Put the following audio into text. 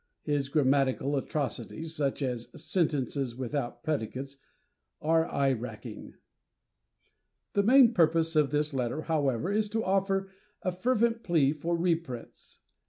His grammatical atrocities such as sentences without predicates are eye wracking. The main purpose of this letter, however, is to offer a fervent plea for reprints.